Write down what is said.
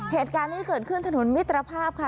เหตุการณ์นี้เกิดขึ้นถนนมิตรภาพค่ะ